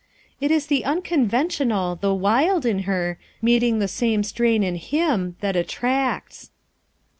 "It is the unconventional, the wild in her, meet ing the same strain in him, that attracts."